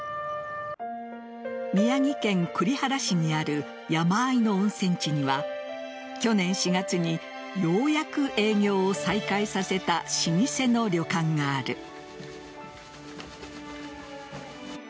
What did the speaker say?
宮城県栗原市にある山あいの温泉地には去年４月にようやく営業を再開させた老舗の旅館がある。